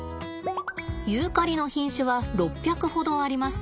ユーカリの品種は６００ほどあります。